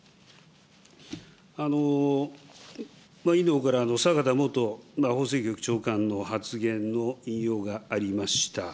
委員のほうから、さかた元法制局長官の発言の引用がありました。